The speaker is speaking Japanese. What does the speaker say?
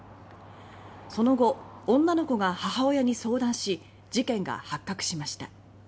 その後、女の子が母親に相談し事件が発覚しました。